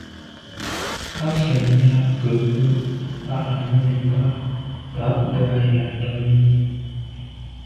À’ fə̂ nyɑ́ gə̀ bə́ â Ahidjò mbɑ́ bə̀k bə́ á yá ndɔ̌n lî.